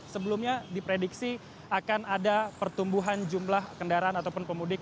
sebelumnya diprediksi akan ada pertumbuhan jumlah kendaraan ataupun pemudik